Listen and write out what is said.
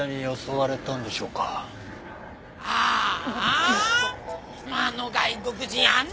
あの外国人あんなに注意。